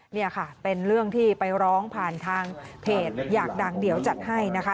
นี่ค่ะเป็นเรื่องที่ไปร้องผ่านทางเพจอยากดังเดี๋ยวจัดให้นะคะ